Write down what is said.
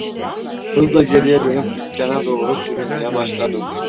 Hızla geriye dönüp dükkana doğru sürünmeye başladım.